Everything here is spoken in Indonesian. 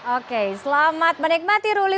oke selamat menikmati ruli